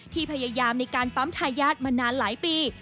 ที่พยายามในการปั๊มทายาทมานานหลายปี